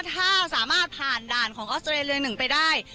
ถ้าสามารถผ่านด่านของออสเตรเลีย๑ไปได้